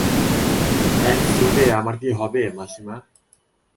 এক সুটে আমার কী হবে মাসিমা।